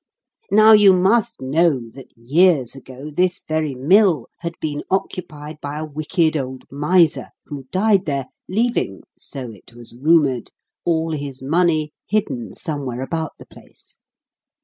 Now you must know that, years ago, this very mill had been occupied by a wicked old miser, who died there, leaving so it was rumoured all his money hidden somewhere about the place.